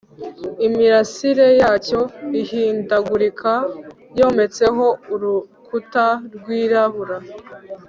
imirasire yacyo ihindagurika yometseho urukuta rwirabura